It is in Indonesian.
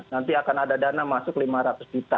nanti akan ada dana masuk lima ratus juta